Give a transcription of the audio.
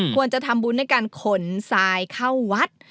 ควรจะทำบุญในการขนสายเข้าวัด